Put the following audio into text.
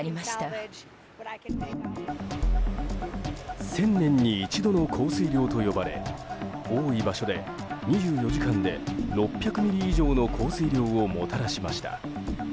１０００年に一度の降水量と呼ばれ多い場所で２４時間で６００ミリ以上の降水量をもたらしました。